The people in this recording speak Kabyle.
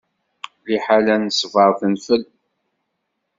Lḥila n ṣṣbeṛ tenfel.